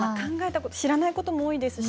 知らないことも多いですし